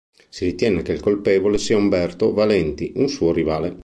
Si ritiene che il colpevole sia Umberto Valenti, un suo rivale.